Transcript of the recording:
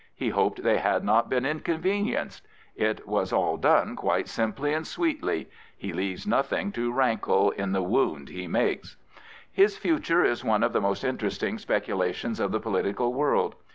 He hoped they had not been inconvenienced. It was all done quite simply and sweetly. He leaves nothing to rankle in the wound he makes. His future is one of the most interesting specula tions of the political world.